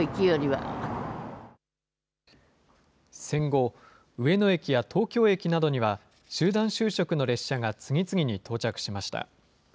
戦後、上野駅や東京駅などには、集団就職の列車が次々に到着しました。